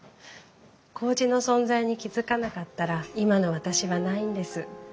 こうじの存在に気付かなかったら今の私はないんです。